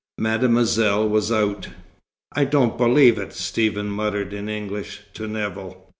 Mademoiselle was out. "I don't believe it," Stephen muttered in English, to Nevill.